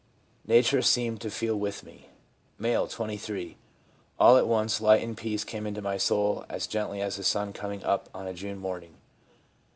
Nature seemed to feel with me/ M., 23. ' All at once light and peace came into my soul as gently as the sun coming* up on a June morning.